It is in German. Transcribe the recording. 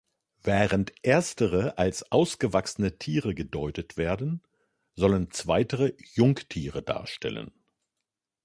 Während erstere als ausgewachsene Tiere gedeutet werden, sollen zweitere Jungtiere darstellen.